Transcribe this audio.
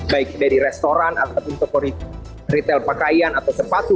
baik dari restoran ataupun toko retail pakaian atau sepatu